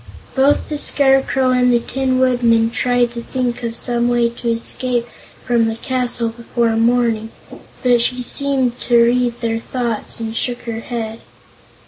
Both the Scarecrow and the Tin Woodman tried to think of some way to escape from the castle before morning, but she seemed to read their thoughts and shook her head.